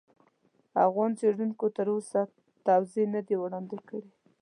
افغان څېړونکو تر اوسه توضیح نه دي وړاندې کړي.